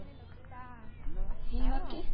言い訳？